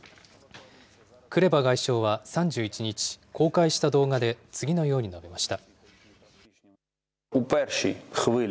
クレバ外相は３１日、公開した動画で次のように述べました。